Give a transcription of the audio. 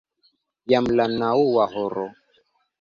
Jam la naŭa horo!